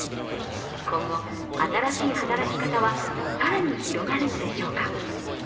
今後、新しい働き方は更に広がるのでしょうか？